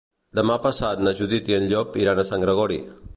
Demà passat na Judit i en Llop iran a Sant Gregori.